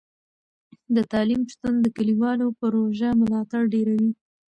د تعلیم شتون د کلیوالو پروژو ملاتړ ډیروي.